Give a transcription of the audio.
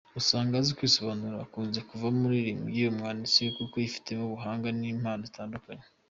Usanga azi kwisobanura, akunze kuvamo umuririmbyi, umwanditsi kuko yifitemo ubuhanga n’impano zitandukanye.